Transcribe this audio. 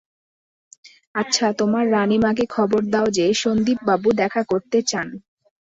আচ্ছা, তোমার রানীমাকে খবর দাও যে সন্দীপবাবু দেখা করতে চান।